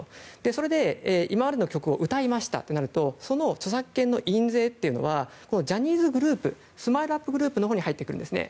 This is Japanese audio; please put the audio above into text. それで、今までの曲を歌いましたとなるとその著作権の印税というのはジャニーズグループＳＭＩＬＥ‐ＵＰ．グループのほうに入っていくんですね。